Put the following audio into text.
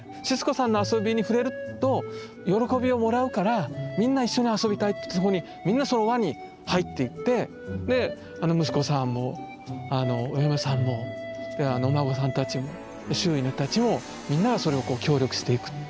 シスコさんの遊びに触れると喜びをもらうからみんな一緒に遊びたいってみんなその輪に入っていって息子さんもお嫁さんもお孫さんたちもで周囲の人たちもみんながそれをこう協力していく。